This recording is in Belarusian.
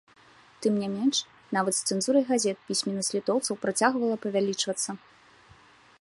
Тым не менш, нават з цэнзурай газет пісьменнасць літоўцаў працягвала павялічвацца.